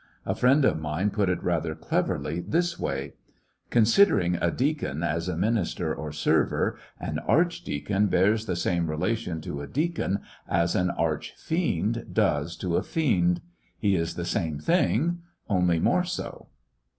A friend of mine put it rather cleverly this way : "Considering a deacon as a minister or server, an archdeacon bears the same relation to a deacon as an archfiend does to a fiend he is the same thing, only more so."